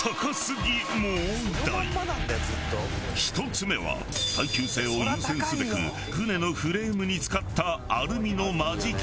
１つ目は耐久性を優先すべく舟のフレームに使ったアルミの間仕切り材。